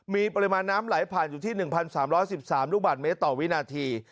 มีปริมาณน้ำไหลผ่านอยู่ที่หนึ่งพันสามร้อยสิบสามลูกบาทเมตรต่อวินาที